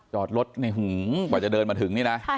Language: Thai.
จอดรถกว่าจะเดินมาถึงนี่นะ